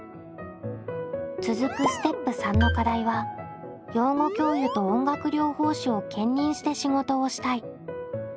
続くステップ③の課題は「養護教諭と音楽療法士を兼任して仕事をしたい」。